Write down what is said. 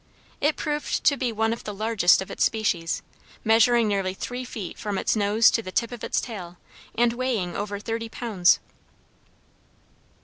It proved to be one of the largest of its species, measuring nearly three feet from its nose to the tip of its tail, and weighing over thirty pounds.